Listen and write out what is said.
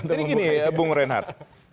gini ya bung reinhardt